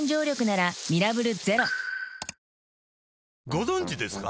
ご存知ですか？